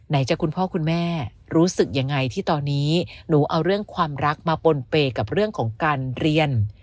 จากคุณพ่อคุณแม่รู้สึกยังไงที่ตอนนี้หนูเอาเรื่องความรักมาปนเปย์กับเรื่องของการเรียน